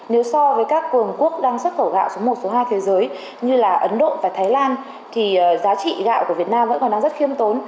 nếu so với các cường quốc đang xuất khẩu gạo số một số hai thế giới như là ấn độ và thái lan thì giá trị gạo của việt nam vẫn còn đang rất khiêm tốn